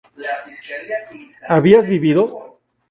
¿habías vivido?